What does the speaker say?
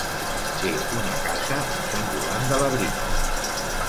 Té una casa a Sant Joan de Labritja.